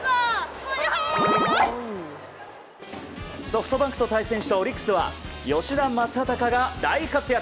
ソフトバンクと対戦したオリックスは吉田正尚が大活躍！